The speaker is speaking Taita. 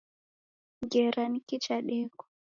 Ngera niki chadekwa.